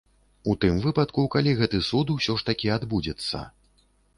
У тым выпадку, калі гэты суд усё ж такі адбудзецца.